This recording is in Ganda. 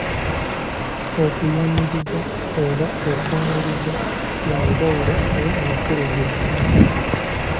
Okuyaniriza oba okwaniriza bya njawulo naye amakulu ge gamu.